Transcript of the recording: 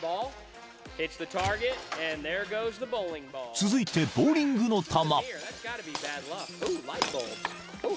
［続いてボウリングの球］